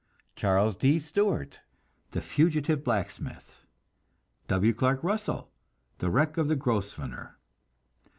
Charles D. Stewart: The Fugitive Blacksmith. W. Clark Russell: The Wreck of the Grosvenor.